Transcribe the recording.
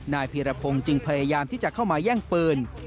พีรพงศ์จึงพยายามที่จะเข้ามาแย่งปืน